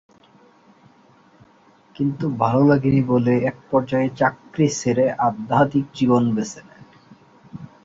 কিন্তু ভালো লাগেনি বলে একপর্যায়ে চাকরি ছেড়ে আধ্যাত্মিক জীবন বেছে নেন।